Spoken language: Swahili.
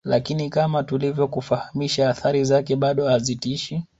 Lakini kama tulivyokufahamisha athari zake bado hazitishi